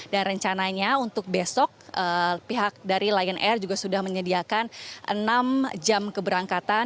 dan rencananya untuk besok pihak dari lion air juga sudah menyediakan enam jam keberangkatan